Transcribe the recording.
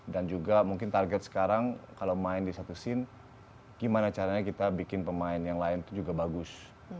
dan juga mungkin target sekarang kalau main di satu scene gimana caranya kita bikin pemain yang lain itu juga bagus